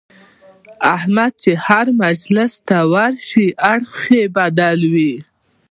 احمد چې هر مجلس ته ورشي اړخ یې بدلوي.